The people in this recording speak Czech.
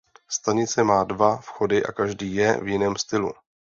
Stanice má dva vchody a každý je v jiném stylu.